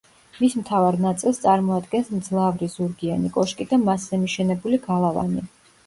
მის მთავარ ნაწილს წარმოადგენს მძლავრი ზურგიანი კოშკი და მასზე მიშენებული გალავანი.